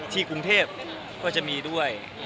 ที่กรุงเทพก็จะมีด้วย